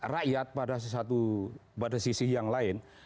rakyat pada sisi yang lain